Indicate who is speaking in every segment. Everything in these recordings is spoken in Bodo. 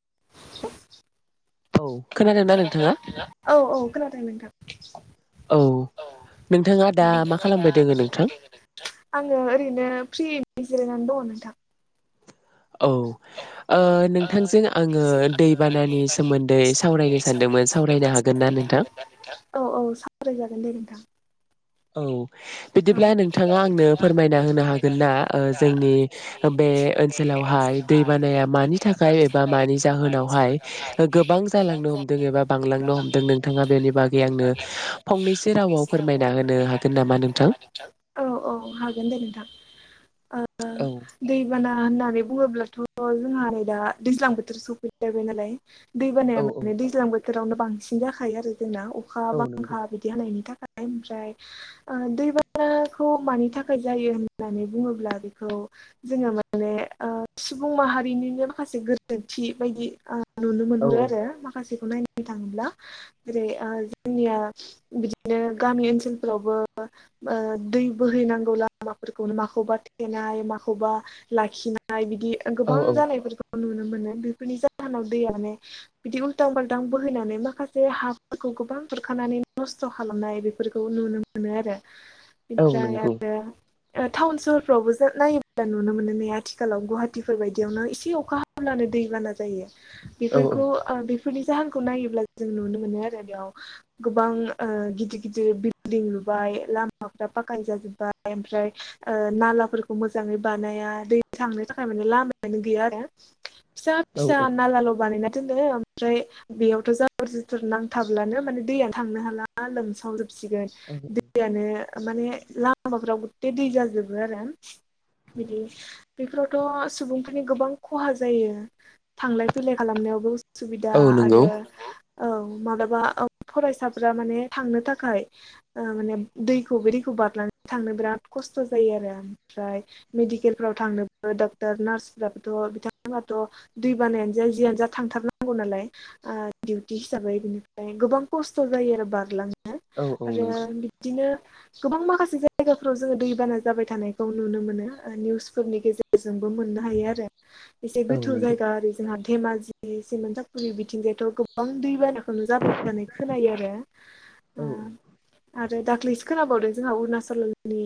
Speaker 1: [inaudible]
Speaker 2: औ
Speaker 1: खोनादोंना नोंथाङा? औ औ खोनादों नोंथां । औ
Speaker 2: नोंथाङा दा मा
Speaker 1: नोंथाङा दा
Speaker 2: खालामबाय दोङो
Speaker 1: मा
Speaker 2: नोंथां
Speaker 1: खालामबाय दं नोंथां । आङो ओरैनो फ्रि जिरायनानै दङ नोंथां ।
Speaker 2: औ ओ नोंथांजों आङो दैबानानि सोमोन्दै सावरायनो सानदोंमोन सावरायनो हागोन ना? नोंथां
Speaker 1: औ औ सावराय जागोन दे नोंथां ।
Speaker 2: औ बिदिब्ला नोंथाङा आंनो फोरमायना होनो हागोनना ओ जोंनि बे बे ओनसोलावहा दै बानाया मानि थाखाय एबा मानि जाहोनावहाय गोबां जालांनो हमदों एबा बां हमदों नोंथाङा बेनि बागै आंनो फंनैसो रावाव फोरमायना होनो
Speaker 1: फोरमायना होनो हागोन नामा नोंथां? औ औ हागोन दे नोंथां । ओ
Speaker 2: औ
Speaker 1: दैबाना होननानै बुङोब्लाथ' जोंहा नै दा दैज्लां बोथोर सफै लाबाय नालाय दै
Speaker 2: औ
Speaker 1: बानाया
Speaker 2: औ
Speaker 1: माने दैज्लां बो बोथोरावनो बांसिन जाखायो आरो जोंना अखा
Speaker 2: औ नंगौ
Speaker 1: बांखा बिदि हनायनि थाखाय ओमफ्राय ओ दैबानाखौ मानि थाखाय जायो होननानै बुङोब्ला बेखौ जोङो माने ओ सुबुं माहारिनिनो माखासे गोरोन्थि बायदि ओ नुनो
Speaker 2: औ
Speaker 1: मोनहरो
Speaker 2: औ
Speaker 1: आरो माखासे खौ नायनो थाङोब्ला जेरै ओ जोंनिया बिदिनो गामि ओनसोलफोरावबो ओ दै बोहैनांगौ लामाफोरखौ माखौबा थेनाय माखौबा लाखि नाय बिदि
Speaker 2: औ
Speaker 1: गोबां
Speaker 2: औ
Speaker 1: जानायफोरखौ नुनो मोनो बेफोरनि जाहोनाव दैआनो बिदि उल्थां बालथां बोहैनानै माखासे हाफोरखौ गोबां बुरखानानै नस्थ' खालामनाय बेफोरखौ नुनो मोनो आरो ।
Speaker 2: औ
Speaker 1: ओमफ्राय
Speaker 2: नंगौ
Speaker 1: आरो टाउन सहरफ्रावबो जों नायोब्ला नुनो मोनो नेै आथि आथिखालाव गुवाहाटिफोर बायदियावनो एसे अखा हायो ब्लानो दैबाना जायो
Speaker 2: औ औ
Speaker 1: बेफोरखौ ओ बे फोरनि जाहोनखौ नायोब्ला जों नुनो मोनो आरो बेयाव गोबां ओ गिदिर गिदिर बिल्डिं बाय ला माफ्र फाखानि जाजोबाय ओगफ्राय ओ नाला फोरखौ मोजांयै बानायाखै थांनो थाखाय माने लामायानो गैया आरो फिसा
Speaker 2: औ
Speaker 1: फिसा नालाल' बानायनाय बिदिनो ओमफ्राय बेयावथ' जाबोर जुथुर नांथाब्लानो माने दैय थांनो हाला लोमसावजोब सिगोन
Speaker 2: औ
Speaker 1: दैयानो माने लामाफ्राव गथे दै जाजोबो आरो बिदि बेफोरावथ' सुबुंफोरनि गोबां खहा जायो थांलाय फैलाय खालामनायावबो उसुबिदा
Speaker 2: औ नंगौ
Speaker 1: आरो औ माब्लाबा फरायसाफोरा माने थांनो थाखाय ओ माने दैखौ बोरै खौ बारनानै थांनो बिराद खस्थ' जायो आरो ओमफ्राय मेडिकेलफ्राव थांनोबो डक्टार नार्साबोथ' बिथांथ' दै बानायानो जा जियानो जा थांथारनांगौ नालाय ओ दिउथि हिाबैनि ओगफाय गोबां खस्थ' जायो आरो बारलां नो
Speaker 2: औ औ
Speaker 1: आरो
Speaker 2: नंगौ
Speaker 1: बिदिनो गोबां माखासे जायगाफ्राव जोङो दैबाना जाबाय थानायखौ नुनो मोनो निउस फोरनि गेजेरजोंबो मोननो हायो आरो एसे
Speaker 2: औ
Speaker 1: गोथौ
Speaker 2: नंगौ
Speaker 1: जायगा ओरै जोंहा धेमाजि सिमोनानसााफुरि बिथिंजायाथ' गोबां दैबाना खौ जाबाय थानाय होननानै खोनायो आरो
Speaker 2: औ
Speaker 1: उ आरो दाख्लैसो खोनाबावदों जोंहा अरुणाचलनि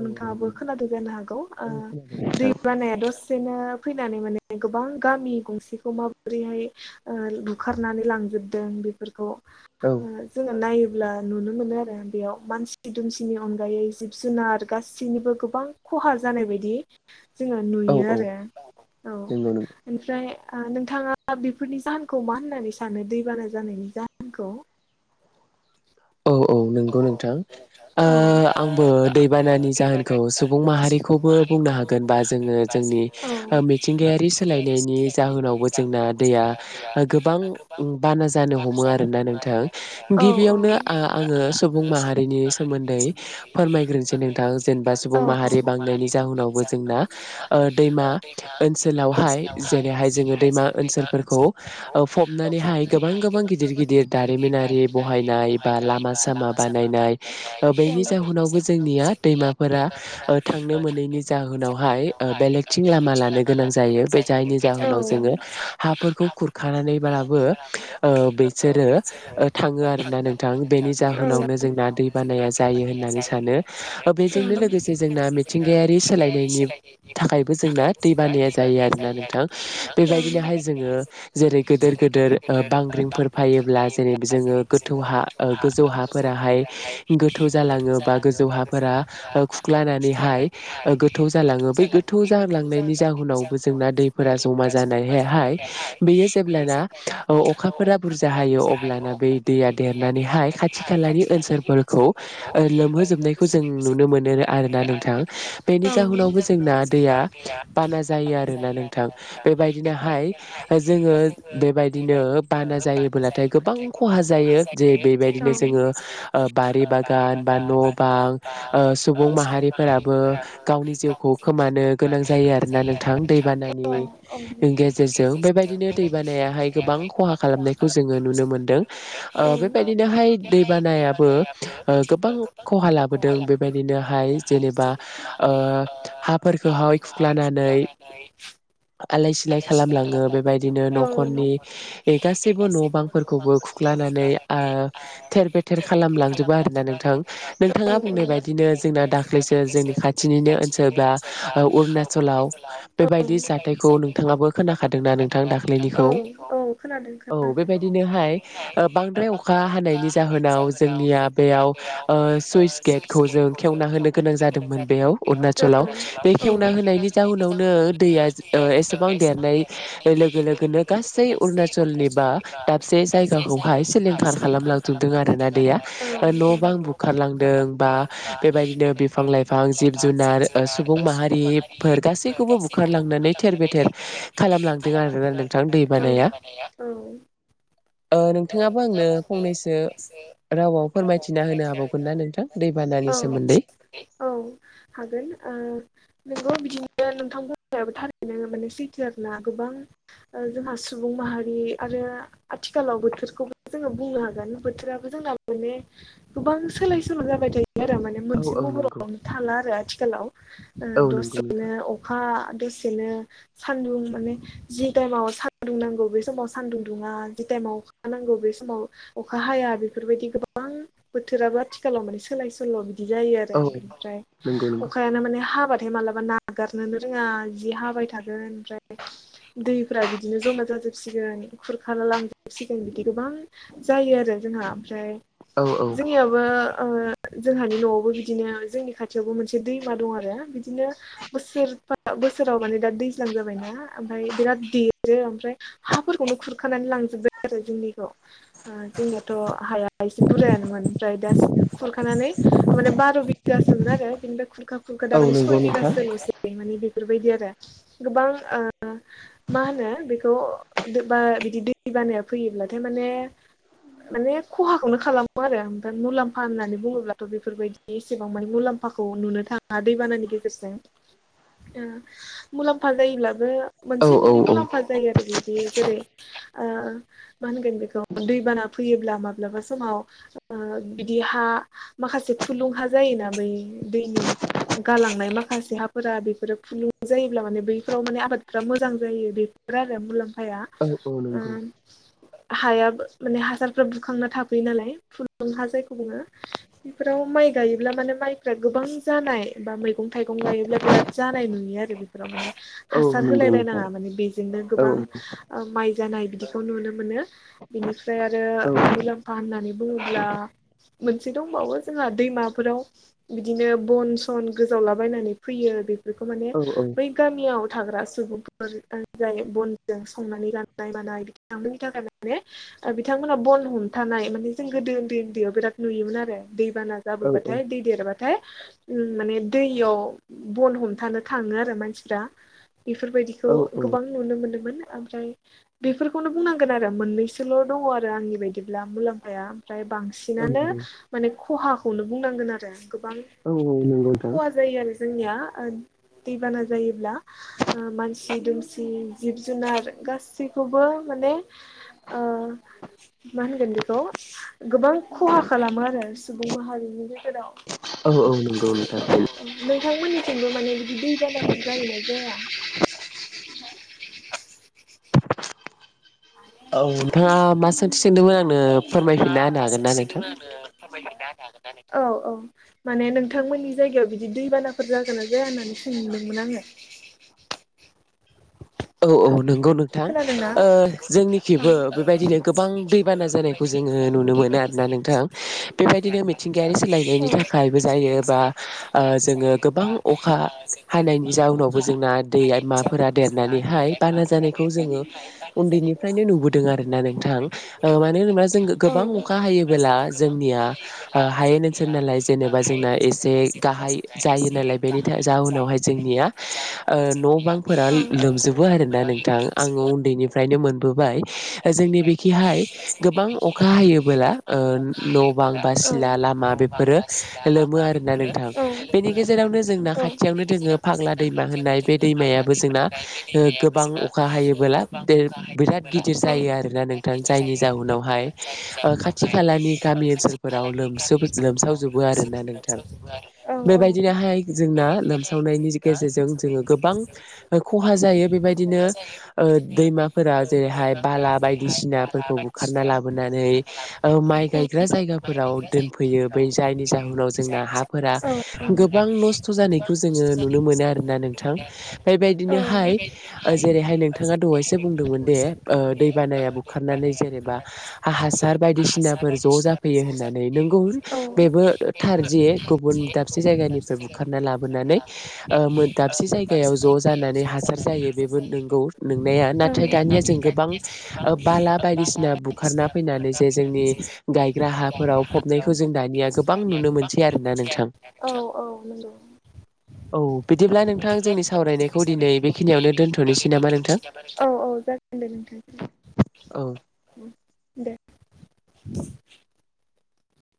Speaker 2: औ नंगौ
Speaker 1: नोंथाङाबो
Speaker 2: नंगौ
Speaker 1: खोनादों जानो हागौ
Speaker 2: औ
Speaker 1: ओ
Speaker 2: खोनादों
Speaker 1: दै
Speaker 2: नोंथां
Speaker 1: बानाया दसे नो फैनानै माने गोबां गामि गंसेखौ माब्रैहा ओ बुखारनानै लांजोब दों बेफोरखौ
Speaker 2: औ
Speaker 1: उ जों नाय योब्ला नुनो मोनो आरो बेयाव मानसि दुमसिनि अनगायै जिब जुनार गासैनिबो गोबां खहा जानाय बायदि जोङो
Speaker 2: औ
Speaker 1: नुयो
Speaker 2: औ
Speaker 1: आरो औ
Speaker 2: नंगौ नंगौ
Speaker 1: ओमफ्राय नोंथाङा बेफोरनि जाहोनखौ मा होननानै सानो दैबाना जानायनि जाहोनखौ
Speaker 2: औ औ नंगौ नोंथां ओ
Speaker 1: औ
Speaker 2: आंबो दैबानानि जाहोनखौ सुबुं माहारिखौबो बुंनो हागोनबा जोङो जोंनि ओ मिथिंगायारि सोलायनायनि जाहोनावबो जोंना दैया गोबां बाना जानो हमो आर ना नोंथां
Speaker 1: आङो
Speaker 2: गिबियावनो आ ङो सुबुं माहारिनि सोमोन्दै फोरमायग्रोनोसै नोंथां जेनेबा सुबुं माहारि बांनायनि जाहोन नंगौ जोंना ओ दैमा ओनसोलावहाय जेरैहाय जोङो दैमा ओनसोलफोर खौ ओ फबनानैहय गोबां गोबां गिदिर गिदिर दारिमिनारि बहायनाय बा लामा सामा बानायनाय ओ बेनि जाहनावबो जोंनिया दैमाफोरा ओ थांनो
Speaker 1: बेवहाय
Speaker 2: मोनै नि जाहोनावहाय ओ बेलेगथिं लामा लानो गोनां जायो बे जायनि जाहोनाव जोंओ हा फो रखौ खुरखानानैब्लाबो ओ बिसोरो ओ थाङो आरो ना नोंथां बेनि जाहोन जोंना दै बानाया जायो होननानै सानो बेजोंनो लोगोसे जों ना मिथिंगायारि सोलायनायनि थाखायबो जोंना दै बानाया जायो आरोना नोंथां बेबायदिनोहाय जोङो जेरै गेदेर गेदिर ओ बांग्रिंफोर फायोब्ला जेरै जोङो गोथौ हा ओ गोजौ हा फोराहाय गोथौ जालाङो बा गोजौ हाफोरा खुख्लानानैहाय ओ गोथौ जालाङो बै गोथौ जालांनायनि जाहोनावबो जोंना दैफोरा जमा जानायहायहाय बेयो जेब्लाना अखाफोरा बुरजा हायो अब्लाना बै दैया देरनानै खाथि खालानि ओनसोलफोरखौ लोमहोजोबनायखौ जों नुनो मोनो आरोना नोंथां बेनि जाहोनावबो जोंना दैया बाना जायो आरोना नोंथां बेबायदिनोहाय जोङो बेबायदिनो बाना जायोबोब्लाथाय गोबां खहा जायो। जे
Speaker 1: जायो
Speaker 2: बेबायदिनो जोङो ओ बारि बागान बा न' बां ओ सुबुं माहारिफोरा बो गावनि जिउखौ खोमानो गोनां जायो आरोना नोंथां दैबानानि गेजेर जों बेबायदिनो दैबानायाहाय गोबां खहा खालामनायखौ जोङो नुनो मोनदों।
Speaker 1: ओ
Speaker 2: औ बेबायदिनो दैबानायाबो
Speaker 1: जाय
Speaker 2: ओ गोबां खहा लाबोदों बेबायदिनोहाय जेनेबा ओ हा फोरखौहाय खुरख्लानानै
Speaker 1: फ्राय
Speaker 2: [inaudible] आलाय सिलाय खालामलाङो बेबायदिनो न'खरनि गासैबो न' बांफोरखौबो खुख्लानानै नै ओ थेर बेथेर खालामलांजोबो आरोोना नोंथां नोंथाङा
Speaker 1: न'खर
Speaker 2: बुंनाय बायदिनो जोंना दाख्लैसो जोंनि खाथिनिनो ओनसोल बा अरुणाचलाव बेबायदि जाथायखौ नोंथाङाबो खोनाखादों। नानोंथां
Speaker 1: औ
Speaker 2: दाखैनिखौ
Speaker 1: औ खोनादों
Speaker 2: औ
Speaker 1: खोनादों
Speaker 2: बेबायदिनोहाय बांद्राय अखा हानायनि जाहोनाव जोंनिया बेयाव सुइस गेटखौ जों खेवना होनो गोनां जादोंमोन। मोन बेयाव अरुणाचलाव बे
Speaker 1: औ
Speaker 2: खेवना होनायनि जाहोनावनो दैया एसेबां देरनाय लोगोनो गासै अरुणचलनि बा दाबसे जायगाखौहाय सलिंखार खालामलांजोबदों आरोोना दैया न' बां बुखारलांदों बा बेबायदिनो बिफां लाइ फां जिब जुनार सुबुं माहारिफोर गासैखौबो बुखारलांनानै थेर बेथेर खालामलांदों आरोना
Speaker 1: खालामलांगोन
Speaker 2: नोंथां दै बानाया
Speaker 1: आरो दैबानाया
Speaker 2: [inaudible] नोंथाङाबो आंनो फंनैसो रावाव फोरमायथिना होनो हाबावगोन ना नोंथां दैबानानि
Speaker 1: औ
Speaker 2: सोमोन्दै?
Speaker 1: औ हागोन। ओ नोंगौ बिदिनो नोंथां बायाबो थारैनो माने सैथो आर ना गोबां जोंहा सुबुं माहारि आरो आथिखालाव बोथोरखौ जोङो बुंनो हागोन बोथोराबो जोंना माने गोबां सोलाय सोल' जाबाय थायो। आरो माने
Speaker 2: औ
Speaker 1: मोनसे
Speaker 2: औ नंगौ
Speaker 1: महरावनो थाला आरो आथिखालाव
Speaker 2: औ नंगौ
Speaker 1: दसेनो
Speaker 2: नोंथां
Speaker 1: अखा दसे सेनो सान्दुं माने जि टाइमाव सान्दुं नांगौ बे समाव सानदुं दुङा जि टाइमाव अखा नांगौ बे समाव अखा हाया बेफोरबायदि गोबां बोथोराबो आथिखालाव माने सोलाय सोल' बिदि बि जायो आरो
Speaker 2: औ
Speaker 1: बेनिफ्राय
Speaker 2: नंगौ नंगौ
Speaker 1: अखायानो मान हाबा थाय मालाबा नागारनोनो रोङा जि हाबाय थागोन ओमफ्राय दैफोरा बिदिनो जमा जा जोबसिगोन खुर खालाम लांजोबसिगोन बिदि गोबां जायो आरो जोंहा ओमफ्राय
Speaker 2: औ औ
Speaker 1: जोंनियाबो ओ जोंहानि न'आवबो बिदिनो जोंनि खाथियावबो मोनसे दैमा दं आरो बिदिनो बोसोराव बोसोर बोसोराव माने दा दैज्लां जाबायना ओमफ्राय बिराद देरो ओमफ्राय हाफोरखौनो खुरखानानै लांजोब आरो जोंनिखौ जोंनियाथ' हाया एसे बुरायानोमोन ओमफ्राय दा खुरखानानै माने बार' बिगासोमोन आरो बेनिफ्राय खुरखा खुरखा दा
Speaker 2: औ
Speaker 1: माने
Speaker 2: नंगौ
Speaker 1: सय
Speaker 2: नोंथां।
Speaker 1: बिगासोल'सै माने बेफोरबायदि आरो गोबां ओ ओ मा होनो बेखौ बा बिदि दै बानाया फैयोब्लाथाय माने माने खहाखौनो खालामो आरो ओमफ्राय मुलाम्फा होननानै बुङोब्लाथ' बेफोरबायदि एसेबां माने मुलाम्फा मलाम्फाखौ नुनो थाङा दैबानानि गेजेरजों मुलाम्फा जायोब्लाबो
Speaker 2: औ
Speaker 1: मोनसे
Speaker 2: औ
Speaker 1: मोननै
Speaker 2: औ
Speaker 1: मुलाम्फा जायो आरो बिदि जेरै ओ मा होनगोन बेखौ दैबाना फैयोब्ला माब्लाबा समाव ओ बिदि हा माखासे फुलुं हा जायोना बै दैनि गालांनाय माखासे हाफोरा बेफोरो फुलुं जायोब्ला बैफोराव माने आबादफ्रा मोजां जायो बेफोर आरो मुलाम्फाया
Speaker 2: औ औ
Speaker 1: ओ
Speaker 2: नंगौ
Speaker 1: हायाबो माने हासारफ्रा बुखांना थाफैयो नालाय फुलुं हा जायखौ बुङो बेफोराव माइ गायोब्ला माने माइफ्रा गोबां जानाय बा मैगं थाइगं गायोब्ला बिराद जानाय नुयो आरो बेफोराव माने
Speaker 2: औ
Speaker 1: हासार
Speaker 2: नंगौ नोंथां
Speaker 1: होलायलायनाङा माने बेजोंनो
Speaker 2: औ
Speaker 1: गोबां माइ जानाय बिदिखौ नुनो मोन मोनो ।बिनिफ्राय आरो
Speaker 2: औ
Speaker 1: मुलाम्फा होननानै बुंब्ला मोनसे दंबावो जोंहा दैमाफोराव बिदिनो बन सन गोजा वला बनानै फैयो बेफोरखौ माने
Speaker 2: औ
Speaker 1: बै गामियाव थाग्रा सुबुंफोर जाय बनजों संनानै राननाय मानाय बिथांमोननि थाखाय माने बिथांमोना बन हमथानाय माने जों गोदो उन्दै उन्दैयाव बिराद नुयोमोन आरो। दैबाना
Speaker 2: औ
Speaker 1: जाबोबाथाय दै देरबाथाय थाय माने दैयाव बन हमथानो थाङो आरो मानसिफ्रा बेफोरबायदिखौ
Speaker 2: औ नंगौ
Speaker 1: गोबां नुनो मोनदोंमोन ओमफ्राय बेफोरखौ बेखौनो बुंनांगोन आरो मोननैसोल' दङ आरो आंनि बायदिब्ला मुलाम्फाया ओमफ्राय बांसिनानो माने खहाखौनो बुंनांगोन आरो गोबां
Speaker 2: औ औ नंगौ नोंथां
Speaker 1: खहा जायो आरो जोंनिया दैबाना जायोब्ला मानसि दुमसि जिब जुनार गासैखौबो माने ओ मा होनगोन बेखौ गोबां खहा खालामो आरो सुबुं माहारिनि फोराव
Speaker 2: औ औ नंगौ नोंथां।
Speaker 1: नोंथांमोननिथिंबो माने बिदि दै बानाफोर जायोना जाया? [unintelligible]
Speaker 2: औ नोंथाङा मा सोंथि सों
Speaker 1: औ नोंथांआ मा सोंथि सोंदोंमोन आंनो फोरमाय फिन्नाय औ औ माने नोंथांमोननि जायगायाव बिदि दैबानाफोर जागोन ना जाया होननानै सोंदोंमोन। आङो
Speaker 2: [inaudible] औ औ नंगौ नोंथां
Speaker 1: खोनादोंना
Speaker 2: ओ
Speaker 1: औ
Speaker 2: जोंनिखेबो बेबायदिनो गोबां दैबाना जानायखौ जो जोङो नुनो मोनो आरोना नोंथां बेबायदिनो मिथिंगायारि सोलायनायनि थाखायबो जायो बा ओ
Speaker 1: औ
Speaker 2: जोङो गोबां अखा हानायनि जाउनावबो जोंना दै माफोरा देरनानै हाय बाना जानायखौ जोङो उन्दैनिफ्रायनो नुबोदों आरोना नोंथां मानो होनोबा जों गोबां अखा हायोला जोंनिया हायेन ओनसोल नालाय जेनेबा जोंना एसे गा गाहाय जायोनालाय बेनि था जाउनावहाय जोंनिया ओ न'बां फोरा लो लोमजा
Speaker 1: औ
Speaker 2: ना नोंथां आङो उन्दैनिफ्रायनो मोन बोबाय जोंनि बिखिहाय गोबां अखा हायो ओ न' बां बा सिला लामा बेफोरो लोमो आरोना नोंथां बेनि गेजेरावनो जोंना खाथियावनो दोङो फाग्ला दैमा होननाय बे दैमायाबो जोंना गोबां अखा हायोबोला बिराद गिदिर जायो आरोना नोंथां जायनि जउनावहाय खाथि खालानि गामि ओनसोलफोराव लोमसोब लोमसाव जोबदों आरोना नोंथां बेबायदिनोहाय जोंना लोमसावनायनि गेज गेजेजों जोङो गोबां खहा जायो बेबायदिनो दैमाफोरा जेरैहाय बाला बायदिसिनाफोरखौ बुखारना लाबोनानै माइ गायग्रा जायागा फोराव दोनफैयो बै जायनि जाहुनाव जोंना हाफोरा
Speaker 1: औ औ
Speaker 2: गोबां नस्थ' जानायखौ जोङो नुनो मोनो आरोना नोंथां बेबायदिनोहाय जेरैहाय नोंथाङा दाय बुं दोमोन दे ओ दै बानाया बुखारनानै जेनेबा हा हासार बायदिसिना ज' जाफै यो होननानै नोंगौ
Speaker 1: औ
Speaker 2: बेबो थारजि गुबुन दाबसे जायगानिफ्राय बुखारना लाबोनानै ओ मोन दाबसे जायगायाव ज' जानानै हासार जायो बेबो नोंगौ नोंनाया।
Speaker 1: औ
Speaker 2: नाथाय दानिया जों गोबां बाला बायदिसिना बुखारना फैनानै जे जोंनि गाय राहाफोराव फबनायखौ जों दानिया गोबां नुनो मोनसै आरो ना नोंथां।
Speaker 1: औ औ नंगौ।
Speaker 2: औ बिदिब्ला नोंथां जोंनि सावरायनायखौ दिनै बेखिनियावनो दोनथ'नोसै नामा नोंथां?
Speaker 1: औ औ जागोन दे
Speaker 2: औ
Speaker 1: नोंथां दे। [inaudible]